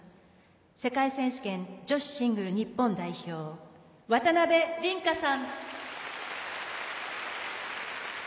世界選手権女子シングル日本代表渡辺倫果さん。